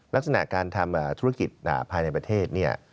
ลักษณะการทำธุรกิจภายในประเทศเนี่ย